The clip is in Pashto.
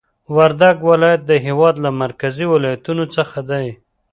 وردګ ولایت د هېواد له مرکزي ولایتونو څخه دی